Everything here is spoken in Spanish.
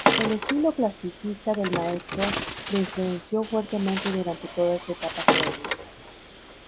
El estilo clasicista del maestro lo influenció fuertemente durante toda su etapa juvenil.